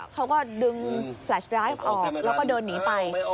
เขาก็ดึงแฟลชร้ายออกแล้วก็เดินหนีไป